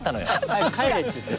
早く帰れっていってね。